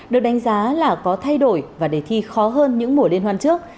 được đánh giá là có thay đổi và đề thi khó hơn những mùa liên hoan trước